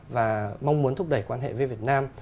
và mong muốn thúc đẩy quan hệ với việt nam